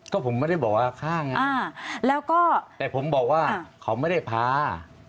ก็ผมไม่ได้บอกว่าข้างแล้วก็แต่ผมบอกว่าเขาไม่ได้พา